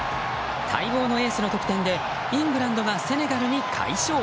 待望のエースの得点でイングランドがセネガルに快勝。